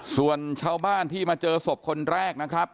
ส่วนชาวบ้านที่มาเจอศพคนแรกนะครับ